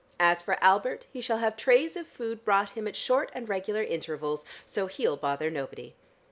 As for Albert he shall have trays of food brought him at short and regular intervals, so he'll bother nobody.